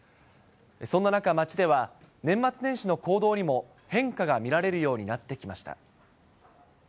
そんな中、街では年末年始の行動にも変化が見られるようになってきました。